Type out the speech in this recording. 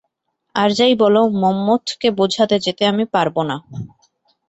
আর যাই বল মন্মথকে বোঝাতে যেতে আমি পারব না।